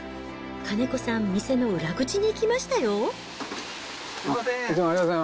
金子さん、店の裏口に行きましたよ。